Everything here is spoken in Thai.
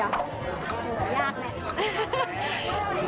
ยากเลย